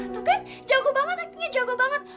tuh kan jago banget actingnya jago banget